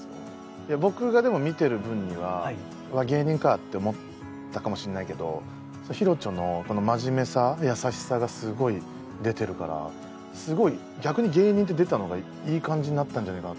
僕がでも見てる分にはうわっ芸人かって思ったかもしれないけどヒロチョの真面目さ優しさがすごい出てるからすごい逆に芸人って出たのがいい感じになったんじゃないかな。